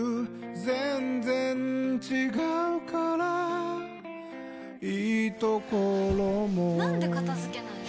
全然違うからいいところもなんで片付けないの？